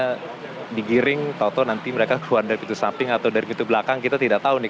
karena digiring tau tau nanti mereka keluar dari pintu samping atau dari pintu belakang kita tidak tahu nih